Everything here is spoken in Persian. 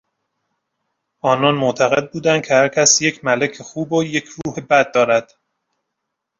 آنان معتقد بودند که هر کس یک ملک خوب و یک روح بد دارد.